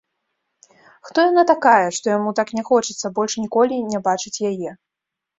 Хто яна такая, што яму так не хочацца больш ніколі не бачыць яе?